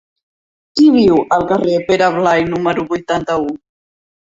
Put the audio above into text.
Qui viu al carrer de Pere Blai número vuitanta-u?